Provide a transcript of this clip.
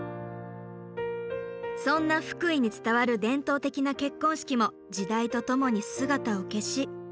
そんな福井に伝わる伝統的な結婚式も時代とともに姿を消し。